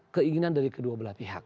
keinginan dari kedua belah pihak